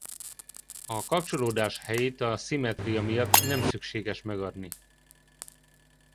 A kapcsolódás helyét a szimmetria miatt nem szükséges megadni.